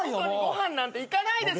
ご飯なんて行かないです。